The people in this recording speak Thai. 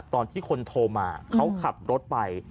ตอนที่คนโทรมาเขาขับรถไป